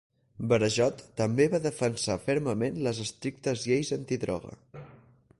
Berejot també va defensar fermament les estrictes lleis antidroga.